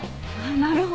なるほど。